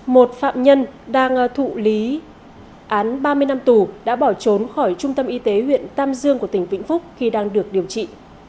một phạm nhân đang thụ lý án ba mươi năm tù đã bỏ trốn khỏi trung tâm y tế huyện tam dương của tỉnh vĩnh phúc khi đang được điều trị